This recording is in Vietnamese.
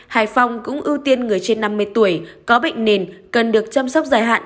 hải phòng cũng ưu tiên người trên năm mươi tuổi có bệnh nền cần được chăm sóc dài hạn